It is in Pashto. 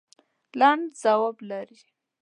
خو لنډ ځواب لري.